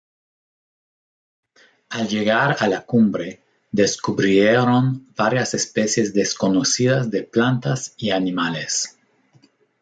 Al llegar a la cumbre, descubrieron varias especies desconocidas de plantas y animales.